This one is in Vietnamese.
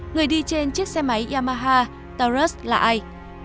người đi trên chiếc xe máy yamaha taurus là ai